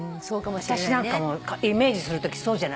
私なんかもイメージするときそうじゃない。